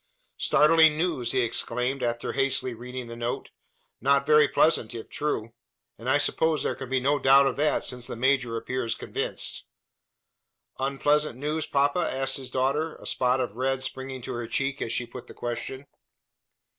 "Startling news!" he exclaimed, after hastily reading, the note. "Not very pleasant if true; and I suppose there can be no doubt of that, since the major appears convinced." "Unpleasant news, papa?" asked his daughter, a spot of red springing to her cheek as she put the question.